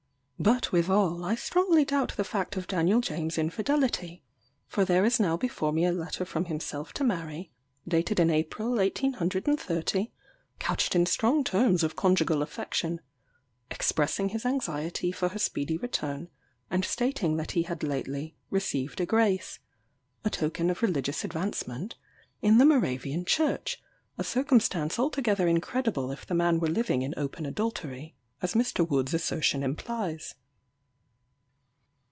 But withal, I strongly doubt the fact of Daniel James' infidelity; for there is now before me a letter from himself to Mary, dated in April 1830, couched in strong terms of conjugal affection; expressing his anxiety for her speedy return, and stating that he had lately "received a grace" (a token of religious advancement) in the Moravian church, a circumstance altogether incredible if the man were living in open adultery, as Mr. Wood's assertion implies.